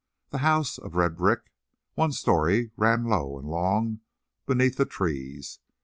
The house, of red brick, one story, ran low and long beneath the trees.